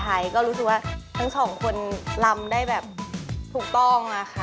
ก็รู้สึกว่าทั้งสองคนลำได้แบบถูกต้องอะค่ะ